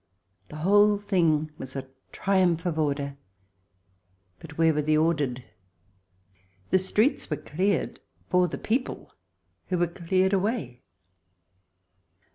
The whole thing was a triumph of order; but where were the ordered ? The streets were cleared — for the people who were cleared away